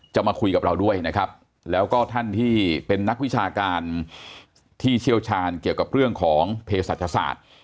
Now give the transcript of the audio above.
มาคุยกับเราด้วยนะครับแล้วก็ท่านที่เป็นนักวิชาการที่เชี่ยวชาญเกี่ยวกับเรื่องของเพศศาสตร์